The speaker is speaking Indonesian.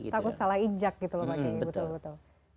takut salah ijak gitu pak kyai betul betul